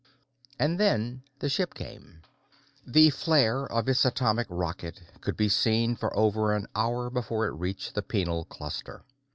And then the ship came. The flare of its atomic rocket could be seen for over an hour before it reached the Penal Cluster.